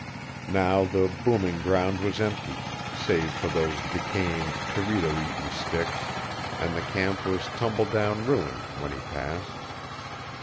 Now the booming ground was empty, save for those decaying, teredo eaten sticks, and the camp was a tumbledown ruin when he passed.